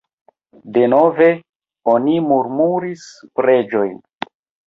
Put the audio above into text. Denove oni murmuris preĝojn.